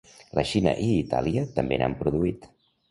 La Xina i Itàlia també n'han produït.